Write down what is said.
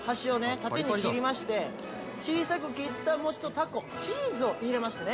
縦に切りまして小さく切った餅とタコチーズを入れましてね